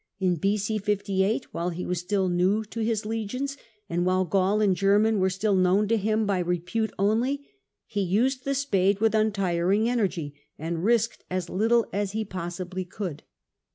In B.c. 58, while he was still new to his legions, and while Gaul and German were still known to him by repute only, he used the spade with untiring energy, and risked as little as he possibly could.